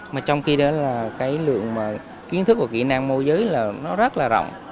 mà trong khi đó là cái lượng kiến thức và kỹ năng môi giới là nó rất là rộng